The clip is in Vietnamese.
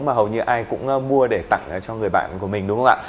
mà hầu như ai cũng mua để tặng cho người bạn của mình đúng không ạ